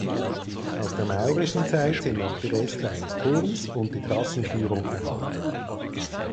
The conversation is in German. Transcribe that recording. Aus der maurischen Zeit sind noch die Reste eines Turms und die Trassenführung erhalten.